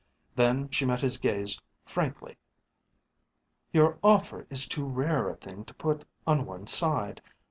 Then she met his gaze frankly. "Your offer is too rare a thing to put on one side.